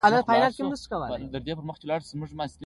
ساپروفایټیزم کې مکروبونه نه مفید او نه مضر واقع کیږي.